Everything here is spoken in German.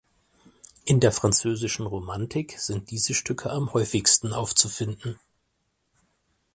In der französischen Romantik sind diese Stücke am häufigsten aufzufinden.